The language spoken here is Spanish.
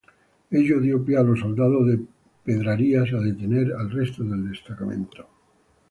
Ello dio pie a los soldados de Pedrarias a detener al resto del destacamento.